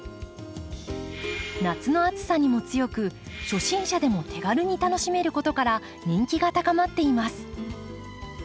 夏の暑さにも強く初心者でも手軽に楽しめることから人気が高まっています。